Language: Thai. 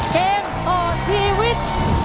เกมต่อชีวิต